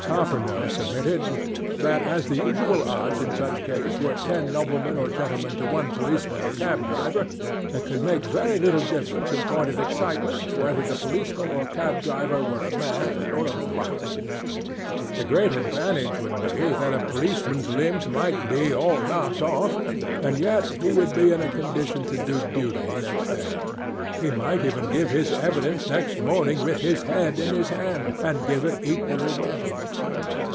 COPPERNOSE submitted, that as the usual odds in such cases were ten noblemen or gentlemen to one policeman or cab driver, it could make very little difference in point of excitement whether the policeman or cab driver were a man or a block. The great advantage would be, that a policeman's limbs might be all knocked off, and yet he would be in a condition to do duty next day. He might even give his evidence next morning with his head in his hand, and give it equally well.